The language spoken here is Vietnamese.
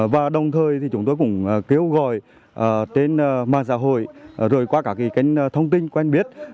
và đồng thời thì chúng tôi cũng kêu gọi trên mạng xã hội rồi qua các kênh thông tin quen biết